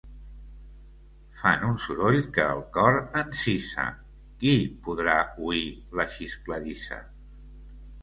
Fan un soroll que el cor encisa; qui podrà oir la xiscladissa?